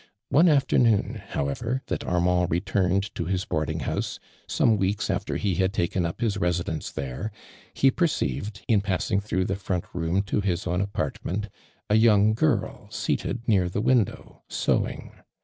t>ne afternoon, however, that Armand re turned to his boarding house, .some weeks after he had taken up his residence tl)ere, he perceived, in passing through the front room to his own apartment, a young girl seated near the window sewing.